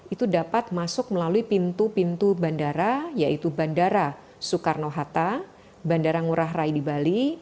itu dapat masuk melalui pintu pintu bandara yaitu bandara soekarno hatta bandara ngurah rai di bali